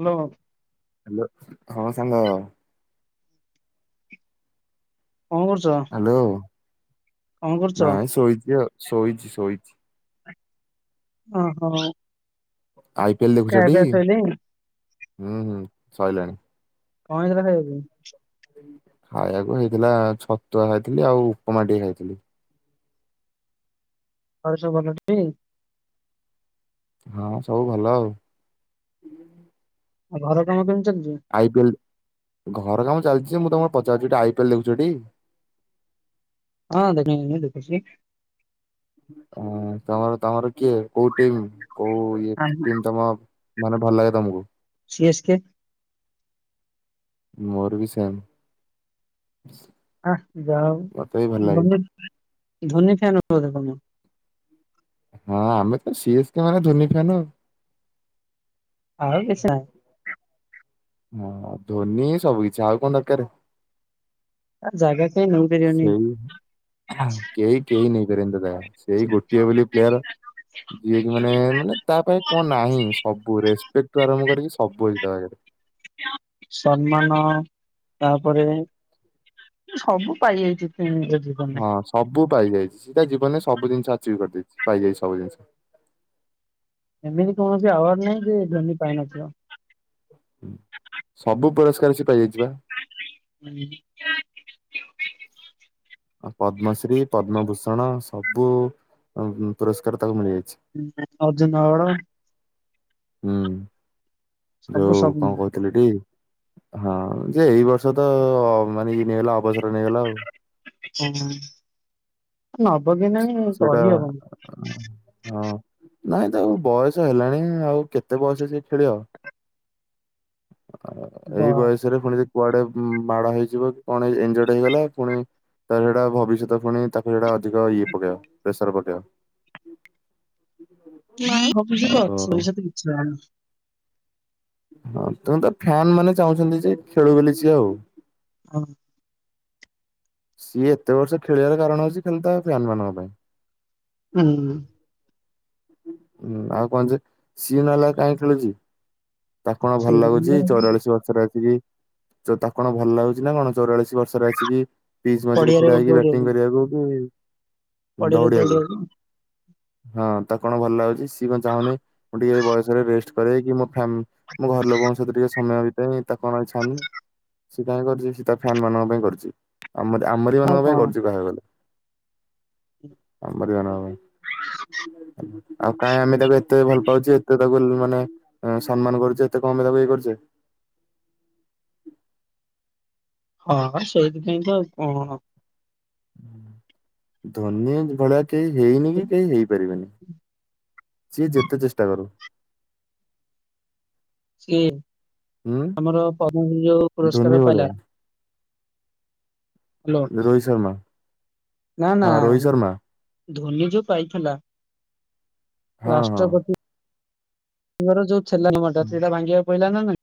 Hello hello ହଁ ସାଙ୍ଗ। କଁଣ କରୁଚ? ହାଲୋ ନାଇଁ ଶୋଇଚି ଆଉ ଶୋଇଚି ଶୋଇଛି। ଅ ହଉ। ଆଇ ପି ଏଲ ଦେଖୁଚ ଟି ସଇଲାଣି ହୁଁ ହୁଁ ସଇଲାଣି। କଣ ହେଇଥିଲା ଖାଇବାପାଇଁ? ଖାଇଆକୁ ହେଇଥିଲା ଛତୁଆ ଖାଇଥିଲି ଆଉ ଉପମା ଟିକେ ଖାଇଥିଲି। ଘରେ ସବୁ ଭଲ ଟି? ହଁ ସବୁ ଭଲ ଆଉ। ଆଉ ଘର କାମ କେମିତି ଚାଲିଚି? ଆଇ ପି ଏଲ ଘର କାମ ଚାଲଚି ମୁଁ ତମକୁ ପଚାରୁଚି ଟି ଆଇ ପି ଏଲ୍ ଦେଖୁଚ ଟି? ହଁ ଦେଖେ ଏଇନେ ଦେଖୁଛି। ଅଁ ତମର ତମର କିଏ କୋଉ ଟିମ କୋଉ ଇଏ ଟିମ ତମ ମାନେ ଭଲ ଲାଗେ ତମକୁ? C S K. ମୋର ବି ସେମ୍। ଆଃ ଯାହା ମତେ ବି ଭଲ ହୋଉ ଲାଗେ ଧୋନି ଧୋନି ଫ୍ୟାନ ବୋଧେ ତମେ? ହଁ ଆମେ ତ ସି ଏସ୍ କେ ମାନେ ଧୋନି ଫ୍ୟାନ୍‌ ଆଉ। ଆଉ କିଛି ନାହିଁ। ହଁ ଧୋନି ହିଁ ସବୁ କିଛି ଆଉ କଣ ଦରକାରେ। ଆ ଜାଗା କେହି ନେଇ ପାରିବେନି। ଆଃ କେହି କେହି ନେଇପାରିବେନି ତା ଜାଗା ସେଇ ଗୋଟିଏ ବୋଲି ପ୍ଲେୟାର। ଯିଏକି ମାନେ ମାନେ ତା ପାଇଁ କଣ ନାହିଁ ସବୁ ରେସପେକ୍ଟଠୁ ଆରମ୍ଭ କରିକି ସବୁ ଅଛି ତା ପାଖେରେ। ସମ୍ମାନ ତାପରେ ସବୁ ପାଇଯାଇଚି ତେଣେ ଆଜି। ହଁ ସବୁ ପାଇଯାଇଚି ସିଏ ତା ଜୀବନରେ ସବୁ ଜିନିଷ ଆର୍ଚିଭ୍ କରିଦେଇଚି ପାଇଯାଇଚି ସବୁ ଜିନିଷ। ଏମିତି କୌଣସି ଆୱାର୍ଡ ନାହିଁ ଯେ ଧୋନି ପାଇନଥିବ। ହୁଁ ସବୁ ପୁରସ୍କାର ସେ ପାଇଯାଇଚି ପା। ହୁଁ। ଅ ପଦ୍ମଶ୍ରୀ ପଦ୍ମଭୂଷଣ ସବୁ ଅ ପୁରସ୍କାର ତାକୁ ମିଳିଯାଇଛି। ଉଁହୁଁ ଅର୍ଜୁନ ଆୱାଡ। ହୁଁ ସବୁ ଯୋଉ ସବୁ କଁ କୋହୁ ଥିଲୁଟି ହଁ ଯେ ଏଇ ବର୍ଷ ତ ମାନେ ଇଏ ନେଇଗଲା ଅବସର ନେଇଗଲା ଆଉ। ହୁଁ। ନବକେମ୍ ସେଟା ହଁ। ନାଇଁ ତାକୁ ବୟସ ହେଲାଣି ଆଉ କେତେ ବୟସ ସେ ଖେଳିବ? ଆ ଏଇ ବ ବୟସ୍ ଛରେ ପୁଣି ଯଦି କୁଆଡେ ମାଡ ହେଇଯିବ କଣ ଏନଯୋଡ ହେଇଗଲ ଫୁଣି ତାର ସେଇଟା ଭବିଷ୍ୟତ ଫୁଣି ତାକୁ ସେଇଟା ଅଧିକ ଇଏ ପକେଇବା ପ୍ରେସର ପଟେଇବା। ନାଇଁ ଭବିଷ୍ୟତ ଅଛି ପଇସା ତ କିଛି ଜଣାଉନି। ହଁ ତୁମେ ତ ଫ୍ୟାନ ମାନେ ଚାହୁଁଛନ୍ତି ଯେ ଖେଳୁ ବୋଲି ସିଏ ଆଉ ଅ ସିଏ ଏତେ ବର୍ଷ ଖେଳିବାର କାରଣ ହୋଉଚି କିନ୍ତୁ ତା ଫ୍ୟାନ ମାନଙ୍କ ପାଇଁ। ହୁଁ। ହୁଁ ଆଉ କଣ ଯେ ସିଏ ନହେଲେ ଆଉ କାହିଁକି ଖେଳୁଛି? ତାକୁ କଣ ଭଲ ଲାଗୁଛି ସେଇ ଚଉରାଳିଶ ବର୍ଷ ବର୍ଷରେ ଆସିକି ତା କଣ ଭଲ ଲାଗୁଛି ନା କଣ ଚଉରାଳିଶ ବର୍ଷରେ ଆସିକି ପିଚ ମଝିରେ ପଡିଆରେ ଛିଡା ହେଇକି ବ୍ୟାଟିଂ ଦୌଡିବାକୁ କରିବାକୁ କି ଦୌଡିବାକୁ। ହଁ ତା କଣ ଭଲ ଲାଗୁଛି ସିଏ କଣ ଚାହୁନି ମୁଁ ଟିକେ ବୟସରେ ରେଷ୍ଟ କି ମୋ ଫ୍ୟା ମୋ ଘର ଲୋକଙ୍କ ସହିତ ଟିକେ ସମୟ ବିତାଇ ତା କଣ ଇଛା ସ ସେ କାଇଁ କର କରିଛି ସେ ତା ଫ୍ୟାନ ମାନଙ୍କ ପାଇଁ କରୁଛି। ଆମ ଆମଦ ଆଉ ମାନଙ୍କ ପାଇଁ କଣ କରଜୁ କା ହେଗଲା। ଆମରି ମାନଙ୍କ ପାଇଁ ଆକାହିଁ ଆମେ ତାକୁ ଏତେ ଭଲ ପାଉଛୁ ଏତେ ତାକୁ ମାନେ ସମ୍ମାନ କରୁଛେ ଏତେ କମେ ତାକୁ ଇଏ କରଛେ। ହଁ ସେଇଥିପାଇଁ ତ ଆଉ କଣ? ଧନୀ ଭଳିଆ କେହି ହେଇନି କି କେହି ହେଇପାରିବେନି। ସିଏ ଯେତେ ଚେଷ୍ଟା କରୁ। ସିଏ ହୁଁ ଆମର ପମ ଯୋଉ ଧୋନି ପୁରସ୍କାର ଭଳିଆ ପାଇଲା। ହ୍ୟାଲୋ ରୋହିତ ଶର୍ମା। ନା ନା ହଁ ରୋହିତ ଶର୍ମା ଧୋନି ଯୋଉ ପାଇଥିଲା। ହଁ ହଁ। [unintelligible]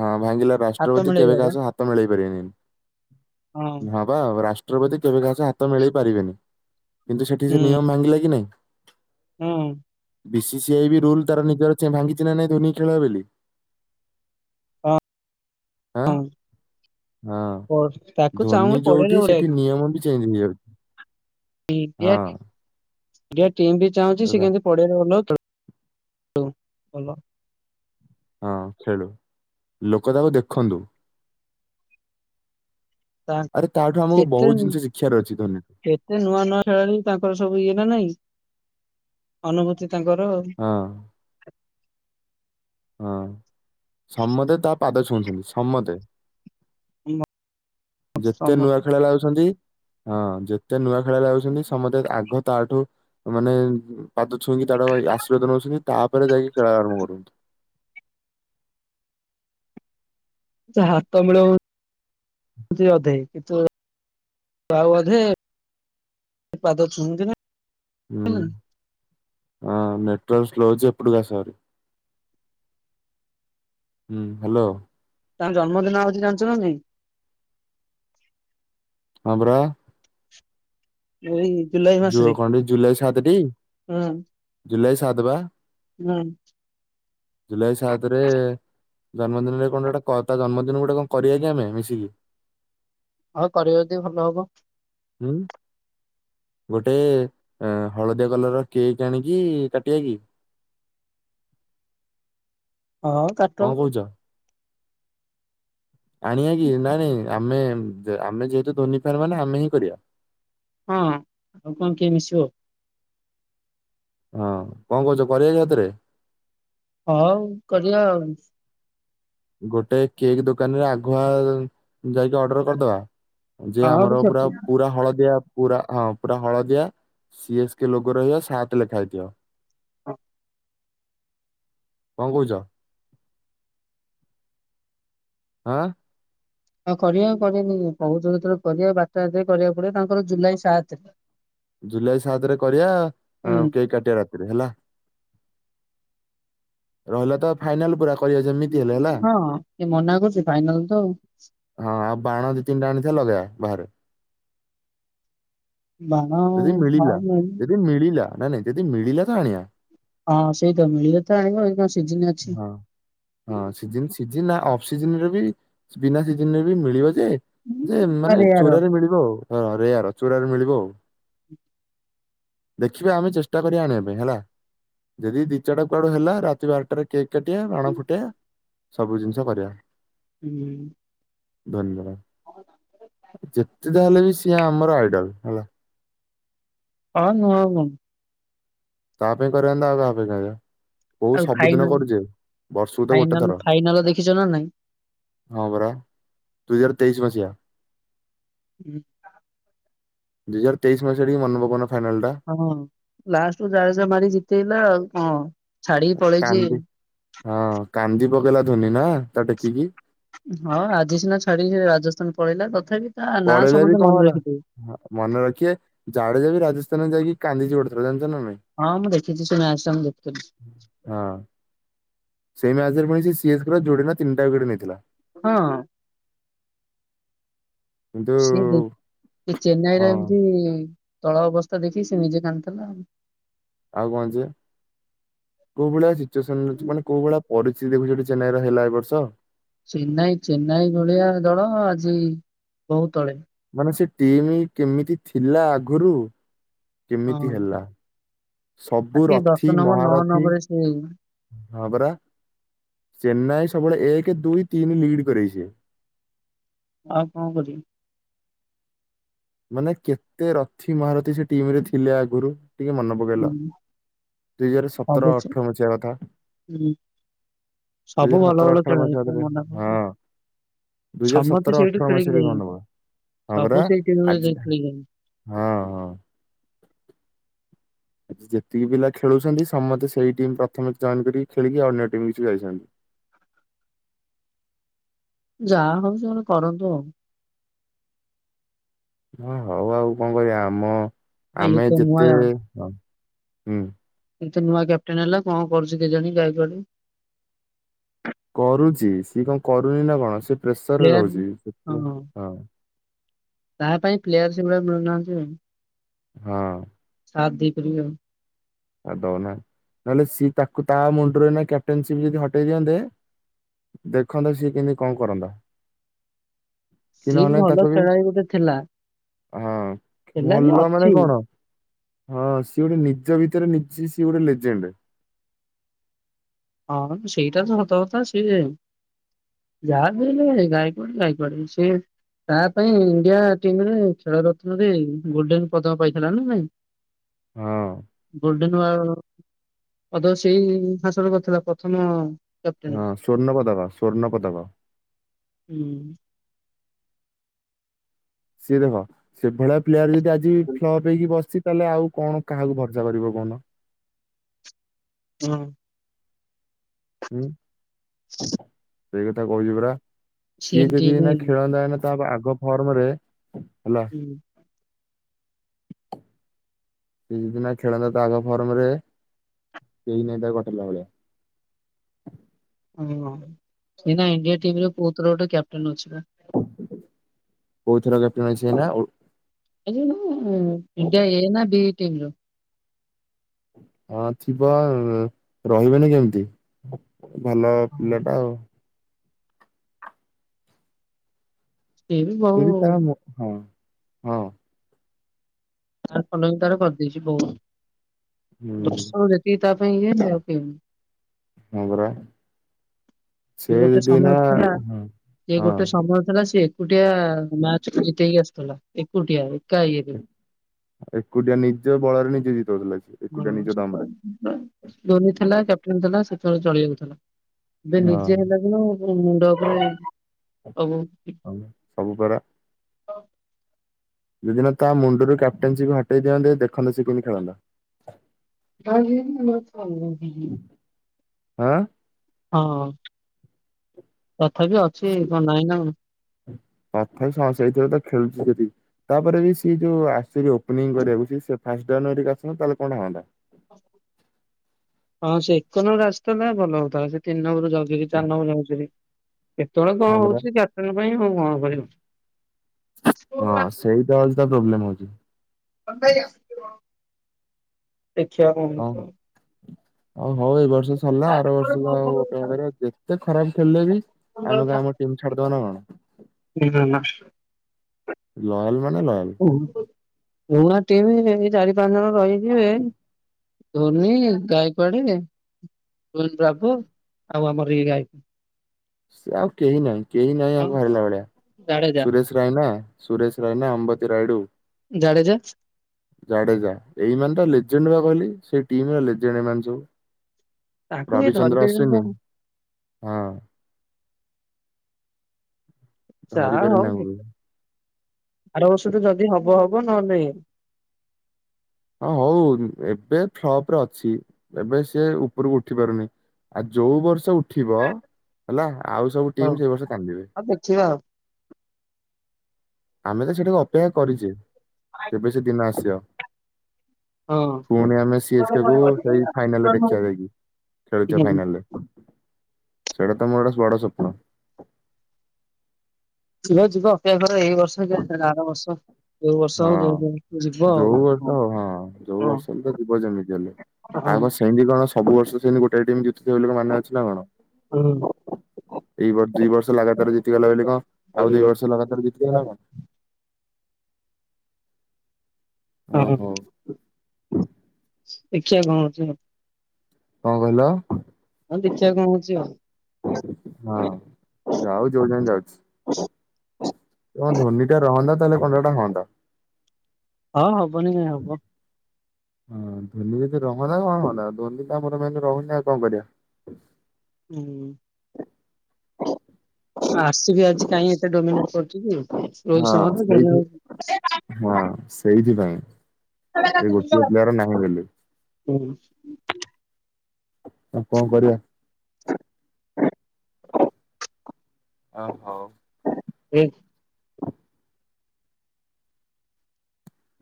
ହଁ ଭାଙ୍ଗିଲା ହାତ ରାଷ୍ଟ୍ରପତି କେବେ ମିଳେଇବା ବା କାହା ସ ହାତ ମିଳେଇ ପାରିବେନି। ହଁ ବାଉ ରାଷ୍ଟ୍ରପତି କେବେ କାହା ସ ତ ମିଳେଇ ପାରିବେନି କିନ୍ତୁ ସେଠି ହୁଁ ସେ ନିୟମ ଭାଙ୍ଗିଲା କି ନହିଁ? ହଁ। ବି ସି ସି ଆଇ ବି ରୁଲ ତାର ନିଜର ଭାଙ୍ଗିଛି ନାହିଁ ଧୋନି ଖେଳ ବୋଲି। ହଁ। ଆଁ ହଁ। [unintelligible] ଧୋନି ପଡିଆରେ ଯୋଉଠି ସେଠି ଓଳେଇବାକୁ ନିୟମ ବି ଚେଞ୍ଜ ହେଇଯାଉଛି। ହଁ ଇଡ଼ିଆ ଟିମ୍ ବି ଚାହୁଁଛି ସେ ରା- କେମତି। [unintelligible] ହଁ ଖେଳୁ ଲୋକ ତାକୁ ଦେଖନ୍ତୁ। ତା ଆରେ ତାଠୁ ଆମକୁ ବହୁତ ଜିନିଷ ଶିଖିବାର ଅଛି ଧନୀକୁ। ଏତେ ନୂଆ ନୂଆ ଖେଳାଳି ତାଙ୍କର ସବୁ ଇଏ ନା ନାଇଁ ଅନୁଭୂତି ତାଙ୍କର ଆଉ। ହଁ। ହଁ ସମତେ ତା ପାଦ ଛୁଉଁଛନ୍ତି ସମତେ। ଯେତେ ନୂଆ ସମସ୍ତେ ଖେଳା ଲାଗୁଛନ୍ତି ହଁ ଯେତେ ନୂଆ ଖେଳାଳି ଯାଉଛନ୍ତି ସମସ୍ତେ ଆଗ ତାଠୁ ମାନେ ପାଦ ଛୁଇଁକି ତାର ଆଶୀର୍ବାଦ ନେଉଛନ୍ତିି ତାପରେ ଯାଇକି ଖେଳ ଆରମ୍ଭ କରନ୍ତୁ। ହାତ ମିଳଉନ ଅଧେ କିନ୍ତୁ ଆଉ ଅଧେ ସେ ପାଦ ଶୁନ୍ତି ନା ହୁଁ ନାଇଁ। ହ ନେଟୱର୍ ସ୍ଲୋ ଲଛି ଏପଡକା ସାର। ହୁଁ ହ୍ୟାଲୋ। ତାଙ୍କ ଜନ୍ମଦିନ ଆ ହଉଛି ଜାଣିଚୁ ନା ନାଇଁ। ହଁବରା। ବହି ଯୁ କଣ ଜୁଲାଇ ସାତଟି ହୁଁ ଜୁଲାଇ ସାତ ବା। ହୁଁ। ଜୁଲାଇ ସାତରେ ଜନ୍ମଦିନରେ କଣଟେ କ ତା ଜନ୍ମଦିନ ଗୋଟେ କଣ କରିବା କି ଆମେ ମିଶିକି। ହଉ କରିବ ଯଦି ଭଲ ହବ। ହୁଁ। ଗୋଟେ ହଳଦିଆ କଲର ର କେକ୍ ଆଣିକି କାଟିବା କି? ଆଉ କଣ କହୁଛ? ଆଣିବା କି ନାଇଁ ନାଇଁ ଆମେ ଆମେ ଯେହେତୁ ଧୋନି ଫାନ ମାନେ ଆମେ ହିଁ କରିବା। ହଁ ଆଉ କଣ କିଏ ମିଶିବ? ହଁ କଣ କହୁଛ କରିବା କି ସତରେ? ହଉ କରିଦବା ଆଉ। ଗୋଟାଏ କେକ୍ ଦୋକାନରେ ଆଗୁଆ ଯାଇକି ଅର୍ଡର କରିଦବା। ଯେ ହଁ ଗୋଟେ ଆମର ପୁରା ଛୋଟ ପୁରା ହଳଦିଆ। ପୁରା ହଁ ପୁରା ହଳଦିଆ ସିଏସ୍କେ ଲୋଗ ରହିବ ସାତେ ଲେଖା ହେଇଥିବ। କଣ କହୁଛ? ହାଁ। ହଁ କରିବା କରିବିନି କହୁଛ ଯେତେବେଳେ କରିବା ବାରଟା କରିବାକୁ ପଡିବ ତାଙ୍କର ଜୁଲାଇ ସାତ। ଜୁଲାଇ ସାତରେ କରିବା ହୁଁ କେକ୍ କାଟିବା ରାତି। ହେଲା ରହିଲା ତ ଫାଇନାଲ ପୁର କରିବା ଯେମି ହଁ କିଏ ମନା କରୁଛି ଫାଇନାଲ ତ ଆଉ। ହଁ ଆଉ ବାଣ ଦି ତିନଟା ଆଣିଥବା ଲଗେଇବା ବାହାରେ। ବାଣ ଯଦି ମିଳିଲା ହଁ ଯଦି ମିଳିିଲା ନାଇ ନାଇ ଯଦି ମିଳିଲା ତ ଆଣିବା। ହଁ ସେଇତ ମିଳିଲେ ତ ଆଣିବ ଏ କଣ ସିଜିନି ଅଛି। ହଁ। ହଁ ସିଜିନ୍ ସିଜିନ୍ ନା ଅଫ ସିଜନରେ ବି ବିନା ସିଜନ ରେ ବି ମିଳିବ ଯେ ଯେ ନା ମାନେ ରେୟାର ଚୋରାରେ ମିଳିବ ଆଉ ରେୟାର ଚୋରାରେ ମିଳିବ ଆଉ। ଦେଖିବା ଆମେ ଚେଷ୍ଟା କରିବା ଆଣିବା ପାଇଁ ହେଲା। ଯଦି ଦି ଚାରଟା କୁଆଡୁ ହେଲା ରାତି ବାରଟାରେ କେକ୍ କାଟିବା ବାଣ ଫୁଟେଇବା। ସବୁ ଜିନିଷ କରିବା। ହୁଁ। ଧନ୍ୟବାଦ ଯେତେ ଯାହା ହେଲେ ବି ସିଏ ଆମର ଆଇଡଲ ହେଲା। ହଁ ନୁହଁ ଆଉ କଣ? ତା ପାଇଁ କରିବା ନି ତ ଆଉ କାହା ପାଇଁ କରିବା? କୋଉ ଆଉ ସବୁଦିନ ଫାଇନାଲ କରୁଛେ ବର୍ଷକୁ ତ ଗୋଟେ ଫାଇନାଲ ଥର। ଫାଇନାଲ ଦେଖିଛ ନା ନାଇଁ? ହଁ ପରା ଦୁଇ ହଜାର ତେଇଶି ମସିହା। ହୁଁ। ଦୁଇ ହଜାର ତେଇଶି ମସିହା ଟିକେ ମନେ ପକଉନ ଫାଇନାଲ ଟା। ହଁ ଲାଷ୍ଟକୁ ଜାଡେଜା ମାରିକି ଜିତେଇଲା ଆଉ ହଁ ଛାଡିକି ପଳେଇଛି। କାନ୍ଦି ହଁ କାନ୍ଦି ପକେଇଲା ଧୋନି ନା ତାକୁ ଟେକିକି। ହଁ ଆଜି ସିନା ଛାଡିକି ରାଜସ୍ଥାନ ପଳେଇଲା ତଥାପି ତା ନାଁ ପଳେଇଲେ ବି ସମସ୍ତେ କଣ ମନେ ହେଲା ରଖିଥିବେ। ମନେ ରଖିବେ ଜାଡେଜା ବି ରାଜସ୍ଥାନ ଯାଇକି କାନ୍ଦିଛି ଗୋଟେଥର ଜାଣିଛ ନା ନାହିଁ? ହଁ ମୁଁ ଦେଖିଛି ସେ ମ୍ୟାଚଟା ମୁଁ ଦେଖୁଥିଲି। ହଁ ସେଇ ମ୍ୟାଚରେ ପୁଣି ସିଏସ୍କେ ଯୋଡିନା ତିନିଟା ୱିକେଟ୍ ନେଇଥିଲା। ହଁ। କିନ୍ତୁ ସିଏ ସେ ଚେନ୍ନାଇର ହଁ ଏମିତି ତଳ ଅବସ୍ଥା ଦେଖିକି ସେ ନିଜେ କାନ୍ଦୁଥିଲା ଆଉ। ଆଉ କଣ ଯେ? କୋଉ ଭଳିଆ ସିଚୁଏସନ ଅଛି ମାନେ କୋଉ ଭଳି ପରିସ୍ଥିତି ଦେଖୁଚଠି ଚେନ୍ନାଇ ର ହେଲା ଏ ବର୍ଷ। ଚେନ୍ନାଇ ଚେନ୍ନାଇ ଭଳିଆ ଦଳ ଆଜି ବହୁ ତଳେ। ମାନେ ସେ ଟିମ୍ କେମିତି ଥିଲା ଆଗରୁ ହଁ। କେମିତି ହେଲା। ସବୁ ଆସିକି ରଥିୀ ଦଶ ନମ୍ବର ନଅ ମହାରଥିୀ ନମ୍ବରରେ ସେ ହଁ ପରା ଚେନ୍ନାଇ ସବୁବେଳେ ଏକ, ଦୁଇ, ତିନି ଲିଡ୍ କରାଇଛି। ଆଉ କଣ କରିବା? ମାନେ କେତେ ରଥି ମହାରଥୀ ସେ ଟିମ ରେ ଥିଲେ ଆଗରୁ ଟିକେ ମନେ ପ ପକେଇଲ ହୁଁ ଦୁଇ ହଜାର ସତର ସବୁ ସେ- ଅଠର ମସିହା କଥା। ହୁଁ ଦି ସବୁ ହଜାର ଭଲ ସତର ଭଲ ଅଠର ଖେଳ ମସିହା ହେଇଛି ରେ ମନା ହଁ। କରୁଛୁ ଦୁଇ ହଜାର ସମସ୍ତେ ସତର ସେଇଠୁ ଅଠର ଖେଳିକି ମସିହାରେ ଯାଇଛନ୍ତି ଗନ୍ଦୋଗୋଲ ହଁ ପରା। ସବୁ ସେଇ ଟିମରେ ଯାଇ ଆଜି ଖେଳିକି ଯାଇଛନ୍ତି ହଁ ହଁ। ଆଜି ଯେତିକି ପିଲା ଖେଳୁଛନ୍ତି ସମସ୍ତେ ସେଇ ଟିମ୍ ପ୍ରଥମେ ଜଏନ୍ କରିକି ଖେଳିକି ଅନ୍ୟ ଟିମ୍ କିଛି ଯାଇଛନ୍ତି। ଯାହା ହଉ ସେମାନେ କରନ୍ତୁ ଆଉ। ହଁ ହଉ ଆଉ କଣ କରିବା ଆମ ଆଉ ଇଏ ଆମେ ତ ନୂଆ ଯେତେ ହ ହୁଁ। ଏତେ ନୂଆ କ୍ୟାପ୍ଟେନ ହେଲା କଣ କରୁଛି କେଜାଣି। [unintelligible] କରୁଛି ସିଏ କଣ କରୁନି ନା କଣ ସିଏ ପ୍ରେସରରେ ପ୍ଲେୟାର ରହୁଛି ସେ ହଁ। ତାହା ପାଇଁ ପ୍ଲେୟାର ସେଭଳିଆ ମିଳୁନାହାନ୍ତି ଆଉ। ହଁ। ସା ଦେଇପାରିବେ ଆଉ। ଆଉ ଦଉନା ନହେଲେ ସିଏ ତାକୁ ତା ମୁଣ୍ଡରେ କ୍ୟାପ୍ଟେନସିପ ଯଦି ହଟେଇ ଦିଅନ୍ତେ। ଦେଖନ୍ତେ ସିଏ କେମିତି କଣ କରନ୍ତା। କି ସଏ ବି ନହେଲେ ତାକୁ ଭଲ ଖେଳାଳି ଗୋଟେ ଥିଲା। ହଁ ଥିଲା ବି ଭଲ ଅଛି ମାନେ କଣ? ହଁ ସିଏ ଗୋଟେ ନିଜ ଭିତରେ ନିଜେ ସିଏ ଗୋଟେ ଲେଜେଣ୍ଡ। ହଁ ସେଇଟା ତ ସତ କଥା। ସିଏ ଯାହା ବି ହେଲେ ଗାଇକଡ ଗାଇକଡ। ସେ ତା ପାଇଁ ଇଣ୍ଡିଆ ଟିମ ରେ ଖେଳ ରତ୍ନ ରେ ଗୋଲଡେନ ପଦକ ପାଇଥିଲା ନା ନାଇଁ? ହଁ। ଗୋଲଡେନୱା ପଦ ସେଇ ହାସଲ କରିଥିଲା ପ୍ରଥମ। କ୍ୟାପଟେନ। ହଁ ସ୍ଵର୍ଣ୍ଣ ପଦକ ସ୍ଵର୍ଣ୍ଣ ପଦକ। ହୁଁ। ସିଏ ଦେଖ ସେଭଳିଆ ପ୍ଲେୟାର ଯଦି ଆଜି ଫ୍ଲପ ହେଇକି ବସିଚି। ତାହେଲେ ଆଉ କଣ କାହାକୁ ଭର୍ଶା କରିବ କହୁନ? ହଁ। ହୁଁ। ସେଇ କଥା କହୁଛି ପରା ସେ ସିଏ ଯଦି ଟିମ ଏନା ଖେଳନ୍ତା ନା। ତ ଆଗ ଫର୍ମ ରେ ହେଲା। ହୁଁ। ସେ ଯଦି ନା ଖେଳନ୍ ତ ଆଗ ଫର୍ମ ରେ କେହି ନାଇ ତାକୁ କଟେଇଲା ଭଳିଆ। ଓ ସେ ଇଣ୍ଡିଆ ଟିମ ରେ କୋଉ ଥରେ ଗୋଟେ କ୍ୟାପଟେନ୍ ଅଛି ବା। କୋଉଥର କ୍ୟାପଟେନ ଅଛି ଏନା? [unintelligible] ଇଣ୍ଡିଆ ଏ ନା ବି ଟିମ୍ ର? ହଁ ଥିବ ରହିବେନି କେମିତି ଭଲ ହଁ ପିଲାଟା ଆଉ। ସିଏ ବି ବହୁ ଯଦି ତା ମୁ ହଁ ହଁ। ତ ଫଲ ବି ତାର କରିଦେଇଛି ବହୁତ ହୁଁ ଦଶ ଯେତିକି ତା ପାଇଁ ଇଏ ଆଉ କେନି। ହଁ ପରା। ସେ ସେଏ ଗୋଟେ ଯଦି ଏଇନା ସମୟ ଥିଲା ହଁ ସେଏ ହଁ ଗୋଟେ ସମୟ ଥିଲା ସିଏ। ଏକୁଟିଆ ମ୍ୟାଚ ଜିତେ ହି ଆସି ଥିଲା ଏକୁଟିଆ ଏକା ଇଏ। ଏକୁଟିଆ ନିଜ ବଳରେ ନିଜେ ଜିତଉଥିଲା। ହ ଏକୁଟିଆ ନିଜ ଦମରେ। [unintelligible] ଧୋନି ଥିଲା, କ୍ୟାପଟେନ ଥିଲା, ସେତେବେଳେ ଚଳି ଯାଉଥିଲା। ଏବେ ହଁ। ନିଜେ ହେଲା ଦିନରୁ କଣ ମୁଣ୍ଡ ଉପରେ ହବ ସବୁପରା। ଦୁଇଦିନ ତା ମୁଣ୍ଡରୁ କ୍ୟାପ୍ଟେନସିକୁ ହଟେଇ ଦିନ୍ତେ ଦେଖନ୍ତ ସେ କିମିତି ଖେଳନ୍ତା। [unintelligible] ହଁ। ହଁ ତଥାପି ଅଛି କଣ ନାଇଁ ନା କଣ? ତଥା ବି ଶସ ହେଇଥିବ ତ ଖେଳୁଛି ଯଦି। ତାପରେ ବି ସିଏ ଯୋଉ ଆସଛି ଓପନିଂ କରିବାକୁ ସ ଫାଷ୍ଟୀ ଆସନ୍ ତାହଲେ କଣ ହନ୍ତା। ହଁ ସେ ଏକ ନମ୍ବର ଆସିଥାନ୍ତା ଭଲ ହଉଥିଲା ସେ ତିନି ନମ୍ବର ଜଗିକି ଚାରି ନମ୍ବର ବେଞ୍ଚେରେ କେତେବେଳେ ହଁ କଣ ପରା। ହଉଛି କ୍ୟାପଟେନ୍ ପାଇଁ ଆଉ କଣ କରିବି? ହଁ ସେଇଟା ହଉଚି ତା ପ୍ରୋବ୍ଲେମ ହଉଚି। [unintelligible] ଦେଖିବା କଣ ହଉଚି ଆଉ? ଆଉ ହଉ ଏଇ ବର୍ଷ ସରିଲା ଆର ବର୍ଷକୁ ଆଉ ଅପେକ୍ଷା କରିବା ଯେତେ ଖରାପ୍ ଖେଳିଲେବି ଆମ ଗାଁ ଆମ ଟିମ୍ ଛାଡ଼ି ଦବାନା କଣ? [unintelligible] ଲୟାଲ ମାନେ ଲୟାଲ। ପୁ ପୁରୁଣା ଟିମ୍ ଏଇ ଚାରି ପାଞ୍ଚ ଜଣ ରହିଯିବେ ଧୋନି ଗାଇପାଡେ ବ୍ରାଭୋ ଆଉ ଆମର ଏଇ ଗାୟକ। ସ ଆଉ କେହି ନାହିଁ କେହି ନାହିଁ କଣ ଆଙ୍କୁ ହାରିଲା ଭଳିଆ ଜାଡେଜା ସୁରେଶ ରାଇନା ସୁରେଶ ରାଇନା ଅମ୍ବତି ରାଇଡ଼ୁ। ଜାଡ଼େଜା। ଜାଡେଜା ଏଇ ମାନେତ ଲିଜେଣ୍ଡବା କହିଲି ସେଇ ଟିମ୍ ର ଲିଜେଣ୍ଡ ଏଇମାନେ ସବୁ। ତାଙ୍କୁ ଏ ରାବିଚନ୍ଦ୍ର ଧରିପାରିବେନି ଅଶ୍ୱିନୀ କଣ ହଁ। ଧରି ଯାହା ହବ ପାରେନି ଆଙ୍କୁ କେହି। ଦେଖିବା ଆର ବର୍ଷଠୁ ଯଦି ହବ ହବ ନହେଲେ ହଁ ହଉ ଏବେ ଫ୍ଲପରେ ଅଛି ଏବେ ସିଏ ଉପରକୁ ଉଠି ପାରୁନି। ଆଉ ଯୋଉ ବର୍ଷ ଉଠିବ ହେଲା ଆଉ ସବୁ ଟିମ୍ ସେଇ ବର୍ଷ କାନ୍ଦିବେ। ହଁ ଦେଖିବା ଆଉ। ଆମେତ ସେଟାକୁ ଅପେକ୍ଷା କରିଚେ ଆଉ। କେବେ ସେଦିନ ଆସିବ। ହଁ। ପୁଣି ଆମେ ସି ଏସ୍‌ କେକୁ ସେଇ ଫାଇନାଲରେ ଦେଖିବା ଯାଇକି। ଖେଳୁଛ ଫାଇନାଲରେ ସେଇଟାତ ମୋର ଛୁଆବେଳୁ ସ୍ୱପ୍ନ। ଯିବ ଯିବ ଅପେକ୍ଷା କର ଏଇ ବର୍ଷ କେଆଣି ଆର ବର୍ଷ ଏଇ ବର୍ଷ ଆଉ ହଁ। ଯେମିତି ହେଲେ ଯିବ ଯୋଉ ବର୍ଷ ଆଉ ହଁ ଯୋଉ ବର୍ଷ ହେଲେ ତ ଯିବ ଯେମିତି ହେଲେ ହଁ। ଆଉ ହଉ। କଣ ସେମିତି କଣ ସବୁ ବର୍ଷ ସେମତି ଗୋଟାଏ ଟିମ୍ ଜିତୁଥିବ ବୋଲି କଣ ମାନେ ଅଛିନା କଣ? ହଁ। [inaudible] ଏଇ ବ ଦୁଇ ବର୍ଷ ଲଗାତାର ଜିତିଗଲା ବୋଲି କଣ ହଁ ଆଉ ଦୁଇ ଦେଖିବା ବର୍ଷ ଲଗାତାର ଜି [unintelligible] ଓହୋ ଦେଖିଆ କଣ ହଉଚି। କଣ କହିଲ? ମୁକଇନି ଦେଖିଆ କଣ ହଉଚି ଆଉ। ହଁ ଯାଉ ଯଉଁଯାଏ ଯାଉଛି। ହଁ ଧୋନିଟା ରହନ୍ତା ତାହେଲେ କଣଗୋଟେ ହଅନ୍ତା। ହଁ ହବନି କାଇଁ ହବ। ହଁ ଧୋନି ଯଦି ରହନ୍ତା କଣ ହଅନ୍ତା ଧୋନିଟା ଆମର ମେନ୍‌ ରହୁନି ଆଉ କଣ କରିବା। ହୁଁ ଆସିବି ଆଜି କାଇଁ ହଁ ସେଇଥି [unintelligible] ହଁ ସେଇଥିପାଇଁ। ସେ ଗୋଟିଏ ପ୍ଲେୟାର ନାହିଁ [unintelligible] ବୋଲି ହୁଁ। ଆଉ କଣ କରିବା? ଆଉ ହୋଉ। [unintelligible]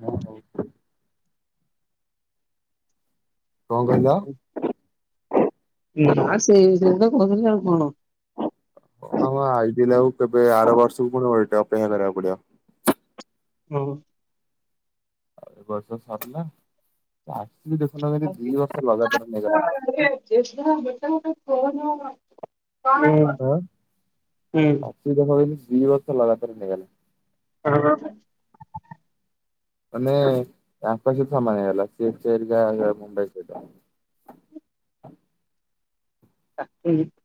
ହଁ ହୋଉ। କଣ କହିଲ? ନାଁ ସେଇ ବିଷୟରେତ କୋଉଥିଲି ଆଉ କଣ। ଓ ହଁ ଆଇ ପିଲାଙ୍କୁ କେବେ ଆର ବର୍ଷକୁ ପୁଣି ଓଲଟା ଅପେକ୍ଷା କରିବାକୁ ପଡ଼ିବ। ହଁପା। ଆଉ ଏବର୍ଷ ସରିଲା ଆସିକି ଦେଖୁନ କେମିତି ଦିବର୍ଷ ଲଗାତାର ନେଇଗଲା। [unintelligible] [unintelligible] ହୁଁ। ସେଇ ପା କିହିଲି ଦି ବର୍ଷ ଲଗାତାର ନେଇଗଲା। [inaudible] ମାନେ ତାଙ୍କ ସହ ସମାନ ହେଲା। ସେ ସେଟା ମୁମ୍ବାଇ ସେଇଟା [unintelligible]